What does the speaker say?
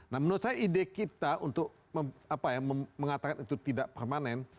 nah menurut saya ide kita untuk mengatakan itu tidak permanen